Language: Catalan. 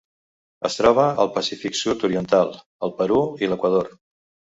Es troba al Pacífic sud-oriental: el Perú i l'Equador.